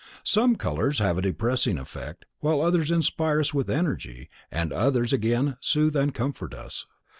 Some colors have a depressing effect, while others inspire us with energy, and others again soothe and comfort us.